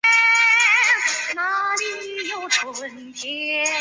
厦门市图书馆是福建省厦门市最大的公共图书馆。